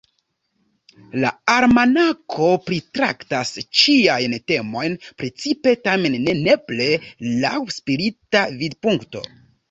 La Almanako pritraktas ĉiajn temojn, precipe, tamen ne nepre, laŭ spirita vidpunkto.